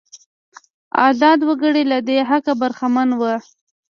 ازاد وګړي له دې حقه برخمن وو.